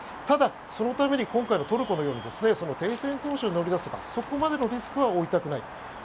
ただ、そのために今回のトルコのように停戦交渉に乗り出すとかそこまでのリスクは負いたくない。